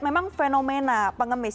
memang fenomena pengemis